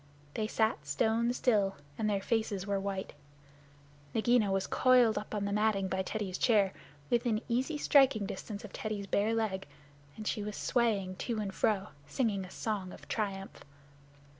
They sat stone still, and their faces were white. Nagaina was coiled up on the matting by Teddy's chair, within easy striking distance of Teddy's bare leg, and she was swaying to and fro, singing a song of triumph.